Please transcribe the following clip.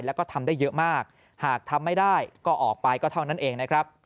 แล้วก็ทำได้เยอะมากหากทำไม่ได้ก็ออกไปก็เท่านั้นเองนะครับ